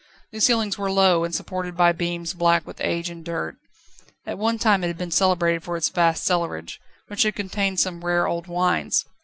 The ceilings were low, and supported by beams black with age and dirt. At one time it had been celebrated for its vast cellarage, which had contained some rare old wines.